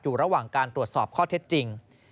อยู่ระหว่างการตรวจสอบข้อเท็จจริง